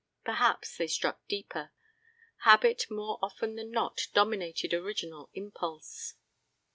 Perhaps they struck deeper. Habit more often than not dominated original impulse.